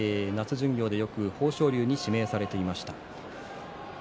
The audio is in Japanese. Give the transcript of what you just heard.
巡業でよく豊昇龍に指名されていました。